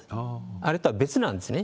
あれとは別なんですね。